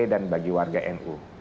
dan bagi warga nu